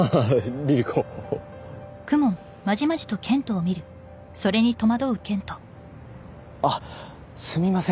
リリ子あっすみません